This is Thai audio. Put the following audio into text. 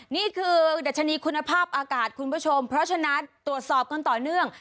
นี่คือดัชนีคุณภาพอากาศคุณผู้ชมเพราะฉะนั้นตรวจสอบกันต่อเนื่อง